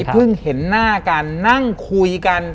เพิ่งเห็นหน้ากันนั่งคุยกัน